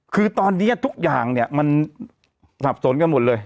คือตอนนี้ทุกอย่างเนี่ยมันสับสนกันหมดเลย